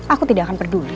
aku tidak akan peduli